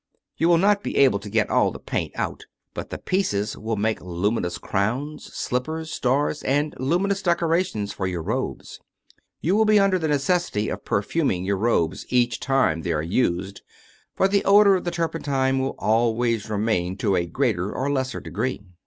You will not be able to get all the paint out, but the pieces will make luminous crowns, slippers, stars, and luminous decorations for your robes. You will be under the necessity of perfuming your robes each time they are used, for the odor of the turpentine will always remain to a greater or less degree.